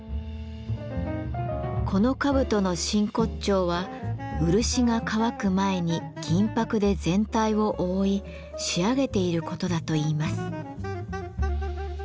この兜の真骨頂は漆が乾く前に銀箔で全体を覆い仕上げていることだといいます。